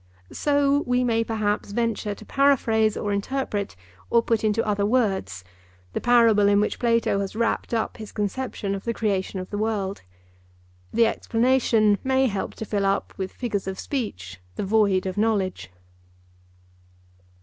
So we may perhaps venture to paraphrase or interpret or put into other words the parable in which Plato has wrapped up his conception of the creation of the world. The explanation may help to fill up with figures of speech the void of knowledge.